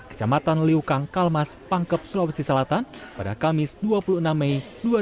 kecamatan liukang kalmas pangkep sulawesi selatan pada kamis dua puluh enam mei dua ribu dua puluh